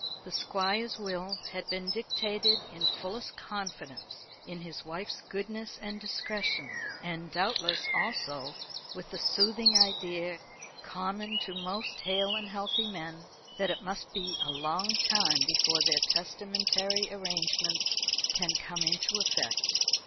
The Squire's will had been dictated in fullest confidence in his wife's goodness and discretion; and doubtless also with the soothing idea common to most hale and healthy men, that it must be a long time before their testamentary arrangements can come into effect.